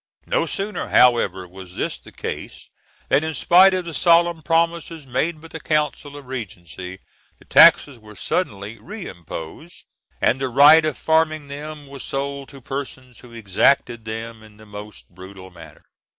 No sooner, however, was this the case than, in spite of the solemn promises made by the council of regency, the taxes were suddenly reimposed, and the right of farming them was sold to persons who exacted them in the most brutal manner.